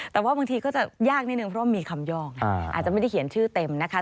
แต่ว่าบางทีก็จะยากนิดนึงเพราะมีคำยอกอาจจะไม่ได้เขียนชื่อเต็มนะคะ